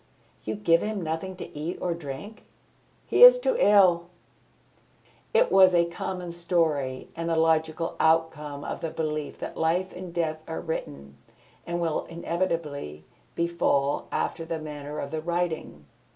"You give him nothing to eat or drink?" "He is too ill." It was a common story and the logical outcome of the belief that life and death are written and will inevitably befall after the manner of the writing.